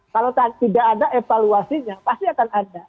kalau tidak ada evaluasinya pasti akan ada